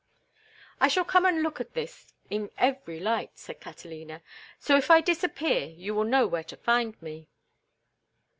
"I shall come and look at this in every light," said Catalina, "so if I disappear you will know where to find me."